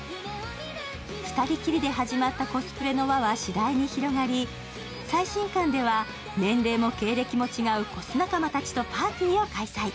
２人きりで始まったコスプレの輪は次第に広がり、最新刊では年齢も経歴も違うコス仲間たちとパーティーを開催。